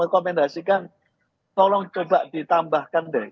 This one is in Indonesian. rekomendasikan tolong coba ditambahkan deh